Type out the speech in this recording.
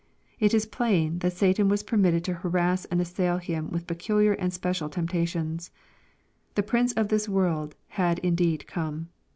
It is plain, that Satan was per mitted to harass and assail him with peculiar and special temptations. The prince of this world had indeed come.